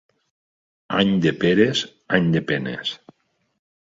Any de peres, any de penes.